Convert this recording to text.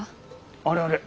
あれあれ？